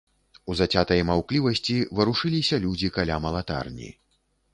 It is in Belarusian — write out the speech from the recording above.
У зацятай маўклівасці варушыліся людзі каля малатарні.